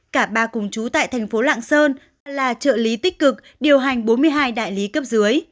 cả ba cùng chú tại thành phố lạng sơn là trợ lý tích cực điều hành bốn mươi hai đại lý cấp dưới